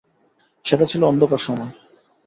সেটা ছিল অন্ধকার সময়।